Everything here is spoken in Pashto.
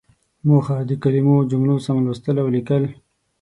موخه: د کلمو او جملو سم لوستل او ليکل.